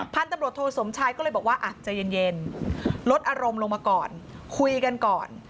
พันธุ์ตำรวจโทสมชายก็เลยบอกว่าอ่ะใจเย็นลดอารมณ์ลงมาก่อนคุยกันก่อน